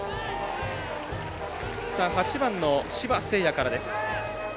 ８番の柴晴蒼からです。